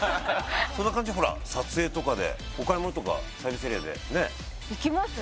その感じほら撮影とかでお買い物とかサービスエリアでねえ行きますね